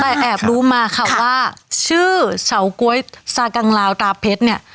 แต่แอบรู้มาค่ะว่าชื่อเฉาก๊วยซากังลาวตาเพชรเนี่ย